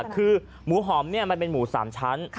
คือหมูหอมเนี่ยมันเป็นหมูสามชั้น